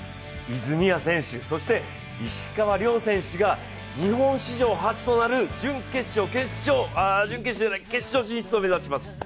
泉谷選手、そして石川両選手が、日本史上初となる準決勝、決勝進出を目指します。